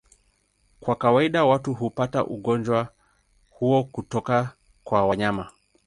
Kwa kawaida watu hupata ugonjwa huo kutoka kwa wanyama.